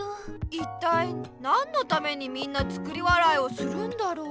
一体何のためにみんな作り笑いをするんだろう？